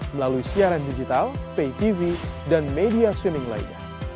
melalui siaran digital paytv dan media streaming lainnya